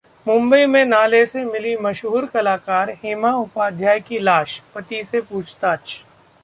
मुंबई में नाले से मिली मशहूर कलाकार हेमा उपाध्याय की लाश, पति से पूछताछ